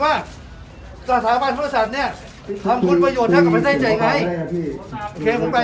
ไปสถานบังเล่นโน่นใจเย็นพี่ใจเย็นเดี๋ยวกันนะครับ